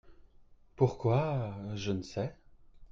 Pourquoi ? je ne sais.